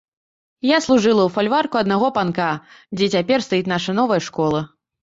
Я служыла ў фальварку аднаго панка, дзе цяпер стаіць наша новая школа.